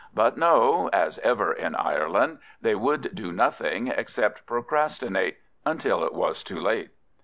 But no, as ever in Ireland, they would do nothing, except procrastinate, until it was too late.